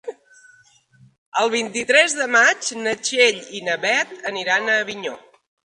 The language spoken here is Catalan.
El vint-i-tres de maig na Txell i na Beth aniran a Avinyó.